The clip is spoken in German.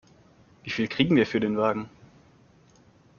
Wie viel kriegen wir für den Wagen?